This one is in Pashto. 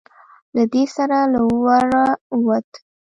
له دې سره له وره ووت.